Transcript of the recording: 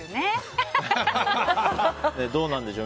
どうなんでしょう。